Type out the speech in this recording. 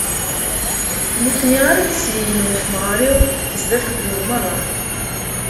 D nutni ara d-isbeggnen temɣer-iw zdat n ugdud meṛṛa.